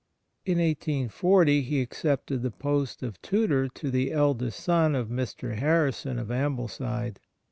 In 1840 he accepted the post of tutor to the eldest son of Mr. Harrison of Ambleside.